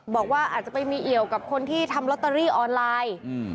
บอกว่าอาจจะไปมีเอี่ยวกับคนที่ทำลอตเตอรี่ออนไลน์